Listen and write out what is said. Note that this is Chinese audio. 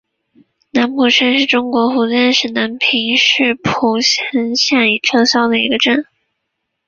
南浦镇是中国福建省南平市浦城县已经撤销的一个镇。